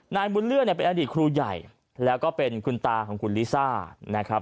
นายบุญเลื่อนเนี่ยเป็นอดีตครูใหญ่แล้วก็เป็นคุณตาของคุณลิซ่านะครับ